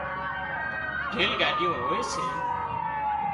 ريل ڳاڏيون هوئي سي